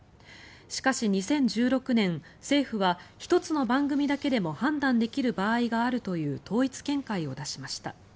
しかし２０１６年、政府は１つの番組だけでも判断できる場合があるという統一見解を出しました。